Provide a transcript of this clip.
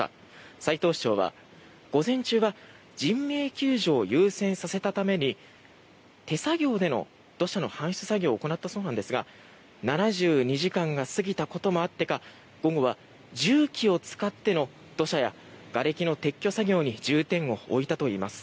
齊藤市長は、午前中は人命救助を優先させたために手作業での土砂の搬出作業を行ったそうなんですが７２時間が過ぎたこともあってか午後は重機を使っての土砂やがれきの撤去作業に重点を置いたといいます。